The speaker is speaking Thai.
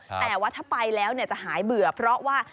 แต่ว่าถ้าไปแล้วจะหายเบื่อเพราะว่า